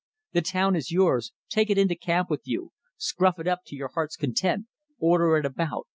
"The town is yours. Take it into camp with you. Scruff it up to your heart's content. Order it about.